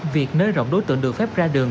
việc nới rộng đối tượng được phép ra đường